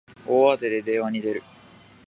大慌てで電話に出る